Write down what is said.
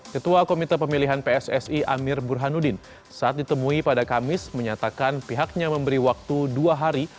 ketua komite pemilihan pssi amir burhanuddin saat ditemui pada kamis menyatakan pihaknya memberi waktu dua hari